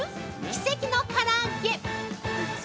奇跡のから揚げ！